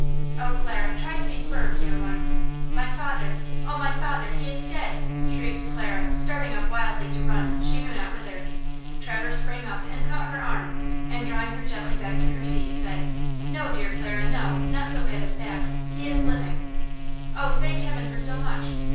"Oh, Clara, try to be firm, dear one!" "My father! Oh, my father!–he is dead!" shrieked Clara, starting up wildly to run, she knew not whither. Traverse sprang up and caught her arm and drawing her gently back to her seat, said: "No, dear Clara–no, not so bad as that–he is living!" "Oh, thank heaven for so much!